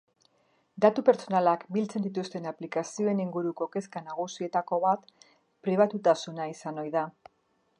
Datu pertsonalak biltzen dituzten aplikazioen inguruko kezka nagusietako bat pribatutasuna izan ohi da.